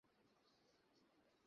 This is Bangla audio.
তুমি জানো আমি এটার ওপরই টিকে আছি।